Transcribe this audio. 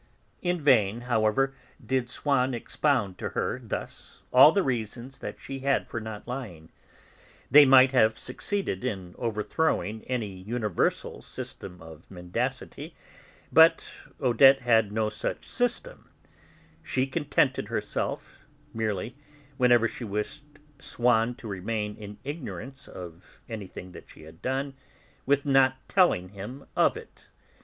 In vain, however, did Swann expound to her thus all the reasons that she had for not lying; they might have succeeded in overthrowing any universal system of mendacity, but Odette had no such system; she contented herself, merely, whenever she wished Swann to remain in ignorance of anything that she had done, with not telling him of it.